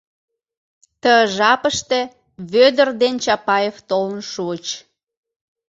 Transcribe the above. Ты жапыште Вӧдыр ден дене Чапаев толын шуыч.